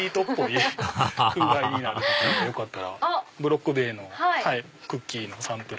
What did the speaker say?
アハハハハよかったらブロック塀のクッキーのサンプル。